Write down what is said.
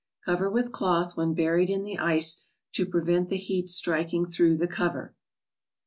Cover with cloth when buried in the ice, to prevent the heat striking through the cover.